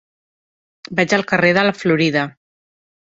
Vaig al carrer de la Florida.